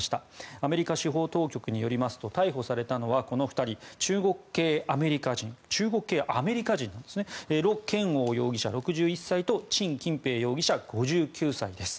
アメリカ司法当局によりますと逮捕されたのはこの２人中国系アメリカ人のロ・ケンオウ容疑者、６１歳とチン・キンペイ容疑者５９歳です。